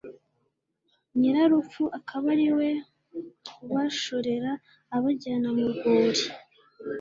nyirarupfu akaba ari we ubashorera abajyana mu rwuri